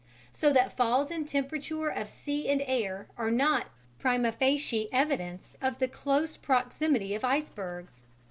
So that falls in temperature of sea and air are not prima facie evidence of the close proximity of icebergs.